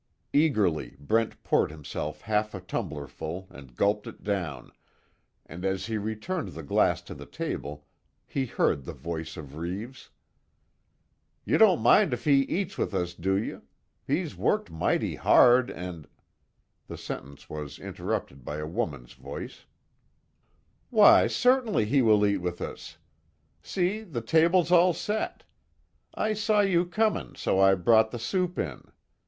Eagerly Brent poured himself half a tumblerful and gulped it down, and as he returned the glass to the table, he heard the voice of Reeves: "You don't mind if he eats with us do you? He's worked mighty hard, and " the sentence was interrupted by a woman's voice: "Why, certainly he will eat with us. See, the table's all set. I saw you coming so I brought the soup in.